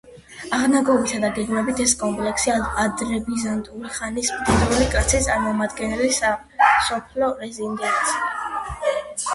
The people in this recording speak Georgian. აღნაგობითა და გეგმებით ეს კომპლექსი ადრებიზანტიური ხანის მდიდრული კლასის წარმომადგენლის სასოფლო რეზიდენციაა.